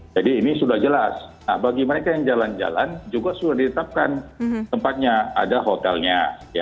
jadi ini sudah jelas bagi mereka yang jalan jalan juga sudah ditetapkan tempatnya ada hotelnya